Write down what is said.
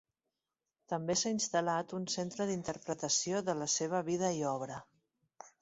També s'ha instal·lat un centre d'interpretació de la seva vida i obra.